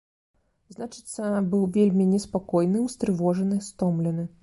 Значыцца, быў вельмі неспакойны, устрывожаны, стомлены.